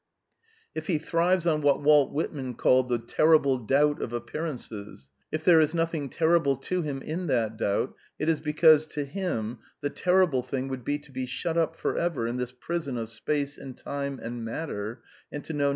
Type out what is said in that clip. If he thrives on what Walt Whitman called ''the terrible doubt of appearances," if there is nothing terrible to him in that doubt, it is because ^ to him the terrible thing would be to be shut up for ever \ in this prison of space and time and matter, and to know